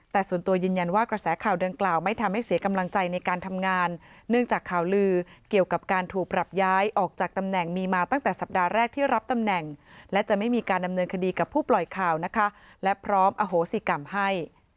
แต่ส่วนตัวยืนยันว่ากระแสข่าวดังกล่าวไม่ทำให้เสียกำลังใจในการทำงานเนื่องจากข่าวลือเกี่ยวกับการถูกปรับย้ายออกจากตำแหน่งมีมาตั้งแต่สัปดาห์แรกที่รับตำแหน่งและจะไม่มีการดำเนินคดีกับผู้ปล่อยข่าวนะคะและพร้อมอโหสิกรรมให้